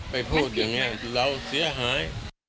พูดอย่างนี้เราเสียหาย